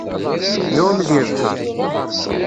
Nεumm deg lebḥer.